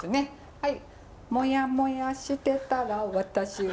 はい！